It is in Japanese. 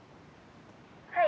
はい。